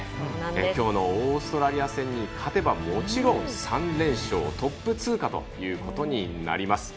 きょうのオーストラリア戦に勝てばもちろん３連勝トップ通過ということになります。